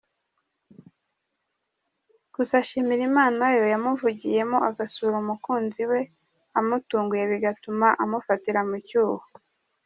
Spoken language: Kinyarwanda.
Gusa ashimira Imana yo yamuvugiyemo agasura umukunzi we amutunguye bigatuma amufatira mu cyuho.